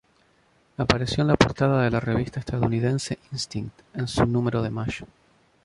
Apareció en la portada de la revista estadounidense "Instinct" en su número de mayo.